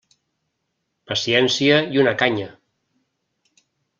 Paciència i una canya.